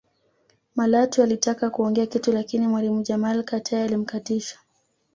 Malatwe alitaka kuongea kitu lakini mwalimu Jamal Katai alimkatisha